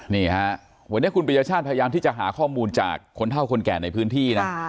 นี่ฮะวันนี้คุณปริญญาชาติพยายามที่จะหาข้อมูลจากคนเท่าคนแก่ในพื้นที่นะ